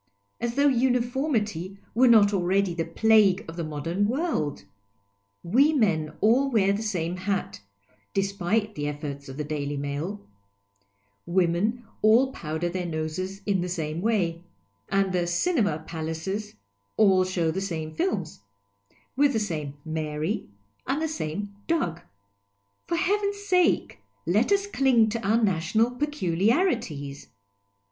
As though uniformity were not already the plague of the modern world ! \Ve men all wear the same hat (despite the efforts of the Daily Mail), women all powder their noses in the same way, and the " cinema palaces " all show the same films, with the same '' Mary " and the same " Dug." For heaven's sake, let us cling to our national peculiari ties